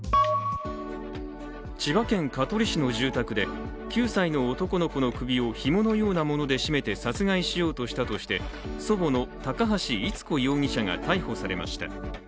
千葉県香取市の住宅で、９歳の男の子の首をひものようなもので絞めて殺害しようとしたとして祖母の高橋伊都子容疑者が逮捕されました。